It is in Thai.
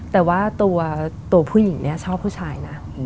แต่ว่าตัวผู้หญิงเนี่ยชอบผู้ชายนะ